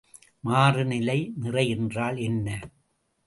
மாறுநிலை நிறை என்றால் என்ன?